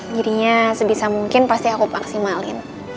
jadi sebisa mungkin pasti aku maksimalin